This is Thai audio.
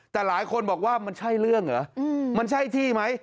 แต่หลายคนบอกว่ามันใช่เรื่องเหรอมันใช่ที่ไหม